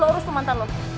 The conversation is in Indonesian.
lo harus ke mantan lo